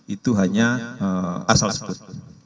itu hanya asal sebut